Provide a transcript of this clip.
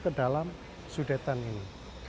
ke dalam sudetan ini